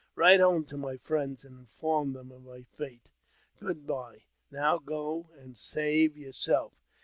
Write home to my friends, and inform them of my fate. Good bye ! Now go and save yourself."